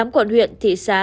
tám quận huyện thị xã